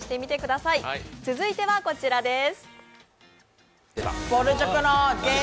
続いてはこちらです。